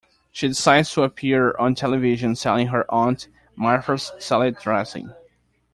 She decides to appear on television selling her Aunt Martha's salad dressing.